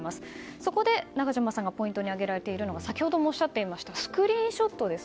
そこで中島さんがポイントに挙げられているのが先ほどもおっしゃっていましたスクリーンショットです。